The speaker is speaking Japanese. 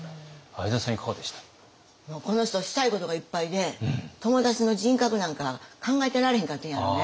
この人したいことがいっぱいで友達の人格なんか考えてられへんかったんやろね。